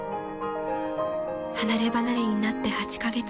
［離れ離れになって８カ月］